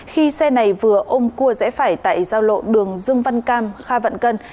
khi xe này vừa ôm cua rẽ phải tại giao lộ đường dương văn cam kha vạn cân